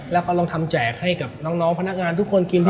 แล้วก็ลองทำแจกให้กับน้องพนักงานทุกคนกิน